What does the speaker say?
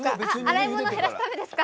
洗い物、減らすためですか。